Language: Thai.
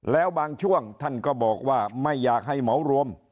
แล้วบางช่วงท่านก็บอกว่าไม่อยากให้เหมารวม